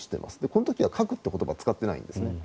この時は核という言葉を使ってないんですね。